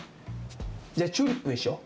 じゃあ「チューリップ」にしよう。